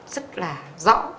rất là rõ